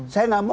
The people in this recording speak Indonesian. saya tidak mau